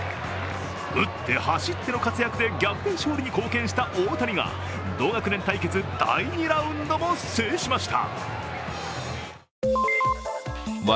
打って走っての活躍で逆転勝利に貢献した大谷が同学年対決、第２ラウンドも制しました。